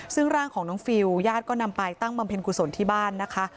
ซึ่งร่างของน้องฟิลญาติก็นำไปตั้งบำเพ็ญกุศลที่บ้านนะคะ